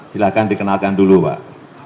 silahkan dikenalkan dulu pak